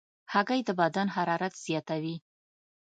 هګۍ د بدن حرارت زیاتوي.